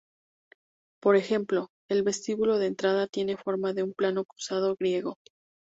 Por ejemplo, el vestíbulo de entrada tiene forma de un plano cruzado griego.